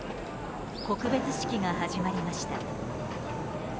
告別式が始まりました。